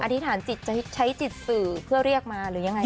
อธิษฐานจิตจะใช้จิตสื่อเพื่อเรียกมาหรือยังไง